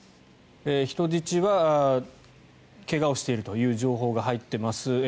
人質は怪我をしているという情報が入っています。